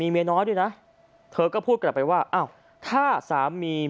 เมียน้อยด้วยนะเธอก็พูดกลับไปว่าอ้าวถ้าสามี